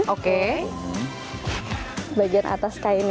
oke bagian atas kainnya